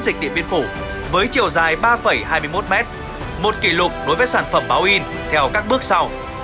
dịch điện biên phủ với chiều dài ba hai mươi một m một kỷ lục đối với sản phẩm báo in theo các bước sau